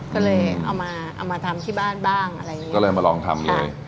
ก็เลยเอามาเอามาทำที่บ้านบ้างอะไรอย่างนี้ก็เลยมาลองทำเลย